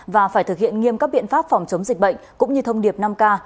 và phải thực hiện nghiêm các biện pháp phòng chống dịch bệnh cũng như thông điệp năm k